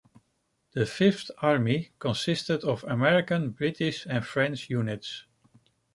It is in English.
The Fifth Army consisted of American, British and French units.